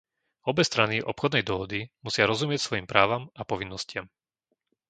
Obe strany obchodnej dohody musia rozumieť svojim právam a povinnostiam.